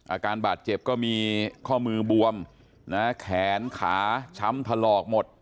อาการบาดเจ็บก็มีข้อมือบวมแขนขาช้ำถลอกหมด